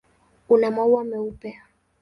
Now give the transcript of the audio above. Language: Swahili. Una maua meupe.